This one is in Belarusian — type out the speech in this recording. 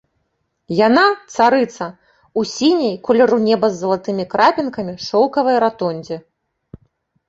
Яна, царыца, у сіняй, колеру неба з залатымі крапінкамі, шоўкавай ратондзе.